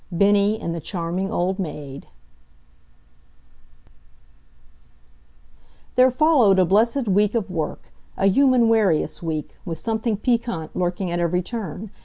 BENNIE AND THE CHARMING OLD MAID There followed a blessed week of work a "human warious" week, with something piquant lurking at every turn.